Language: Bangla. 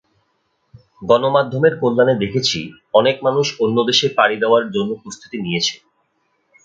গণমাধ্যমের কল্যাণে দেখেছি, অনেক মানুষ অন্য দেশে পাড়ি দেওয়ার জন্য প্রস্তুতি নিয়েছে।